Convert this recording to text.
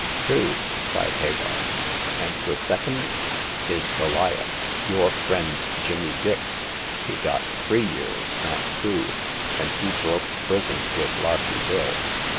Two !" cried Hagar ;" and the second ?"'* Is Goliath— your friend Jimmy Dix. He got three years, not two ; and he broke prison with Larky Bill."